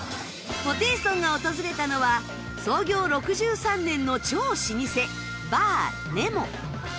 ホテイソンが訪れたのは創業６３年の超老舗バーねも